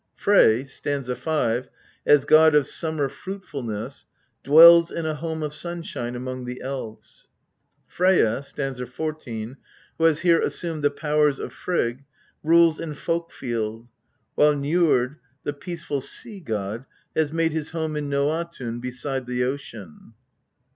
Frey (st. 5), as god of summer fruitfulness, dwells in a home of sunshine among the elves. Freyja (st. 14), who has here assumed the powers of Frigg, rules in Folk field ; while Njord, the peaceful sea god, has made his home in Noatun beside the ocean.